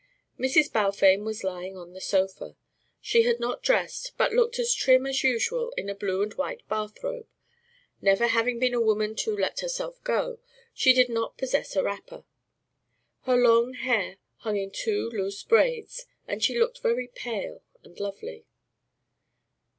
Mrs. Balfame was lying on the sofa. She had not dressed, but looked as trim as usual in a blue and white bathrobe; never having been a woman to "let herself go," she did not possess a wrapper. Her long hair hung in two loose braids, and she looked very pale and lovely.